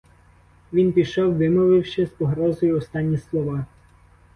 Він пішов, вимовивши з погрозою останні слова.